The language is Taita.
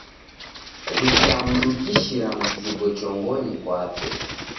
W'ikamdukishira msigo chongonyi kwape.